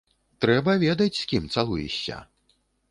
Трэба ведаць, з кім цалуешся.